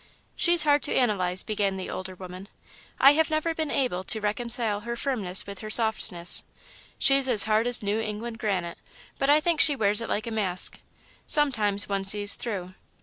"She's hard to analyse," began the older woman. "I have never been able to reconcile her firmness with her softness. She's as hard as New England granite, but I think she wears it like a mask. Sometimes, one sees through.